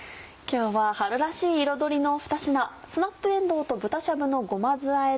今日は春らしい彩りのふた品スナップえんどうと豚しゃぶのごま酢あ